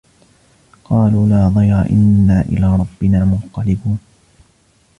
قَالُوا لَا ضَيْرَ إِنَّا إِلَى رَبِّنَا مُنْقَلِبُونَ